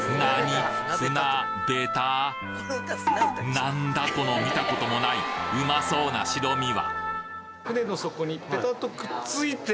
何だこの見たこともないうまそうな白身は？